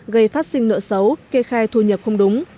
gây phát sinh nợ xấu kê khai thù nhiễm